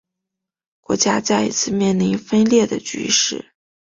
国家再一次面临分裂的局势。